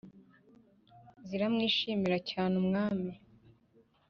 ziramwishimira cyane, umwami